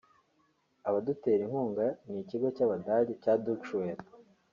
Abadutera inkunga ni ikigo cy’Abadage cya Deutsche Welle